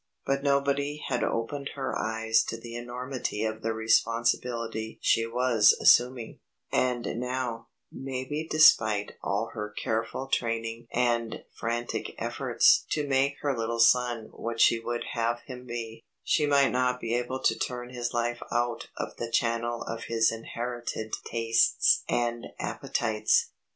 But nobody had opened her eyes to the enormity of the responsibility she was assuming, and now, maybe despite all her careful training and frantic efforts to make her little son what she would have him be, she might not be able to turn his life out of the channel of his inherited tastes and appetites.